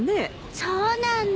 そうなんだ。